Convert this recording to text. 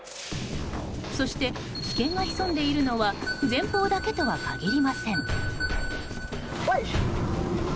そして、危険が潜んでいるのは前方だけではありません。